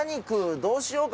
「どうしようかな？」